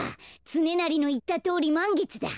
つねなりのいったとおりまんげつだ。